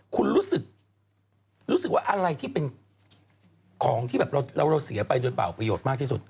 คุณรู้สึกว่าอะไรที่เป็นของที่แบบเราเสียไปโดยเปล่าประโยชน์มากที่สุด